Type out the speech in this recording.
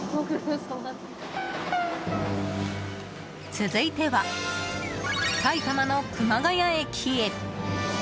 続いては、埼玉の熊谷駅へ。